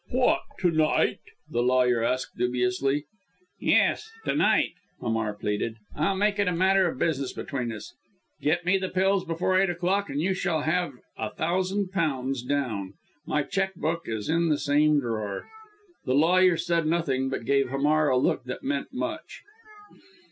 "What, to night?" the lawyer asked dubiously. "Yes, to night," Hamar pleaded. "I'll make it a matter of business between us get me the pills before eight o'clock, and you have £1000 down. My cheque book is in the same drawer." The lawyer said nothing, but gave Hamar a look that meant much!